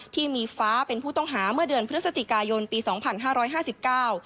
ที่มีฟ้าเป็นผู้ต้องหาเมื่อเดือนพฤศจิกายนปีสองพันห้าร้อยห้าสิบเก้า